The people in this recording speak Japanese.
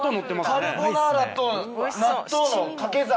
カルボナーラと納豆の掛け算。